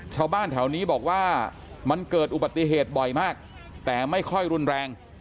ชาวบ้านแถวนี้บอกว่ามันเกิดอุบัติเหตุบ่อยมากแต่ไม่ค่อยรุนแรง